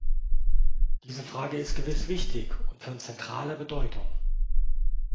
Diese Frage ist gewiss wichtig und von zentraler Bedeutung.